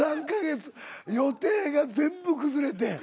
３か月予定が全部崩れて。